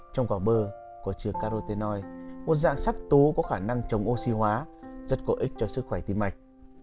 trong quả bơ có trường carotenoid một dạng sắc tú có khả năng chống oxy hóa rất có ích cho sức khỏe tim mạch